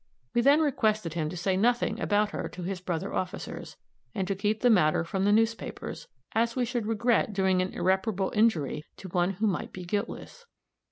We then requested him to say nothing about her to his brother officers, and to keep the matter from the newspapers, as we should regret doing an irreparable injury to one who might be guiltless.